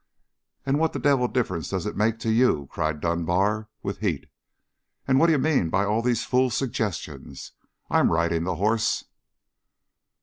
"And what the devil difference does that make to you?" cried Dunbar with heat. "And what do you mean by all these fool suggestions? I'm riding the horse!"